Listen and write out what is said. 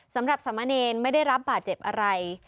สำหรับสามเณรไม่ได้รับบาดเจ็บอะไร